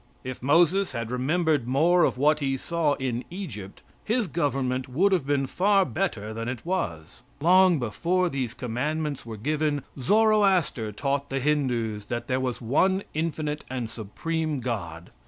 If Moses had remembered more of what he saw in Egypt his government would have been far better than it was. Long before these commandments were given, Zoroaster taught the Hindoos that there was one infinite and supreme God.